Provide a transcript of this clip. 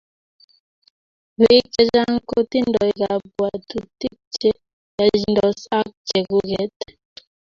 Bik chechang kotindo kabwatutik che yachindos ak chekuket